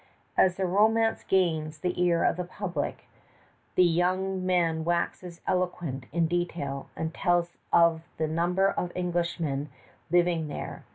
As the romance gains the ear of the public, the young man waxes eloquent in detail, and tells of the number of Englishmen living there.